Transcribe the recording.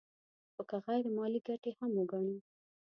خو که غیر مالي ګټې هم وګڼو